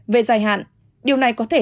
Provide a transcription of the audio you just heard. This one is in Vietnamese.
về dài hạn điều này có thể